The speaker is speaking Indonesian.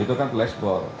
itu kan flashball